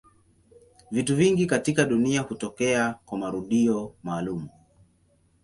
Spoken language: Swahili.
Vitu vingi katika dunia hutokea kwa marudio maalumu.